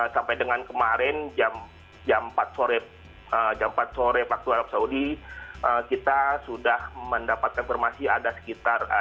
sampai dengan kemarin jam empat sore waktu arab saudi kita sudah mendapatkan informasi ada sekitar